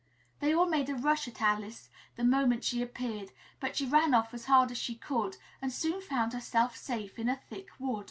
They all made a rush at Alice the moment she appeared, but she ran off as hard as she could and soon found herself safe in a thick wood.